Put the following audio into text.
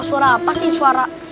suara apaan sih suara